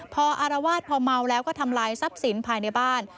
พออารวาสพอเมาแล้วก็ทำลายทรัพย์สินภายในบ้าน